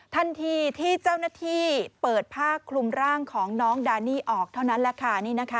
ทันทีที่เจ้าหน้าที่เปิดผ้าคลุมร่างของน้องดานี่ออกเท่านั้นแหละค่ะ